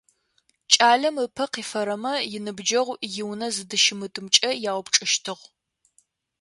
Кӏалэм ыпэ кифэрэмэ иныбджэгъу иунэ зыдыщытымкӏэ яупчӏыщтыгъ.